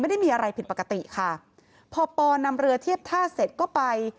ไม่ได้มีอะไรผิดปกติค่ะพอปอนำเรือเทียบท่าเสร็จก็ไป